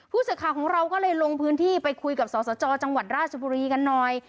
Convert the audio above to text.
ผู้สื่อข่าวของเราก็เลยลงพื้นที่ไปคุยกับสสจจังหวัดราชบุรีกันหน่อย